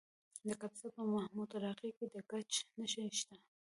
د کاپیسا په محمود راقي کې د ګچ نښې شته.